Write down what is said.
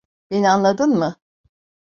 Beni anladın mı?